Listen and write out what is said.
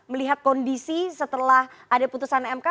melihat kondisi setelah ada putusan mk